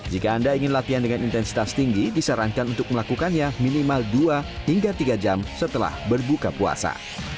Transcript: jika anda ingin latihan dengan intensitas tinggi disarankan untuk melakukannya minimal dua hingga tiga jam setelah berbuka puasa